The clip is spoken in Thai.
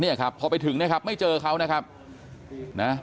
ครับพอไปถึงนะครับไม่เจอเขานะครับนะ